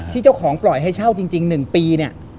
เจ้าของปล่อยให้เช่าจริง๑ปีเนี่ย